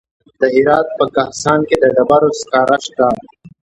د هرات په کهسان کې د ډبرو سکاره شته.